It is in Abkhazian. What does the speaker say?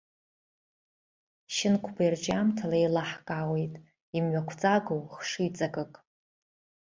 Шьынқәба ирҿиамҭала еилаҳкаауеит имҩақәҵагоу хшыҩҵакык.